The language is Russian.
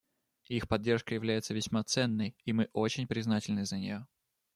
Их поддержка является весьма ценной, и мы очень признательны за нее.